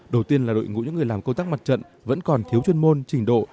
đầu tiên là đội ngũ những người làm công tác mặt trận vẫn còn thiếu chuyên môn trình độ